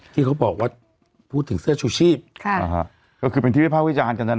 ที่เขาบอกว่าพูดถึงเสื้อชูชีพค่ะนะฮะก็คือเป็นที่วิภาควิจารณ์กันนะ